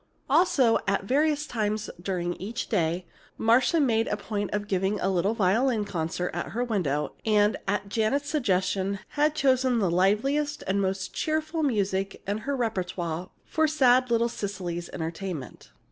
Also, at various times during each day, Marcia made a point of giving a little violin concert at her window, and, at Janet's suggestion, had chosen the liveliest and most cheerful music in her repertoire for sad little Cecily's entertainment.